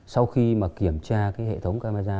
sau khi mà kiểm tra cái hệ thống camera